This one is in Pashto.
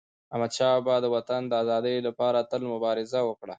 احمدشاه بابا د وطن د ازادی لپاره تل مبارزه وکړه.